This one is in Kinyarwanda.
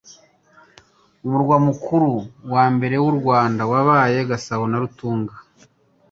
Umurwa mukuru wa mbere w'u Rwanda wabaye Gasabo na Rutunga,